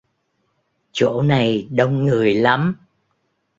Chỗ này đông người lắm